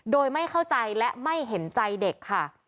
โดยไม่เข้าใจและไม่เห็นใจเด็กค่ะ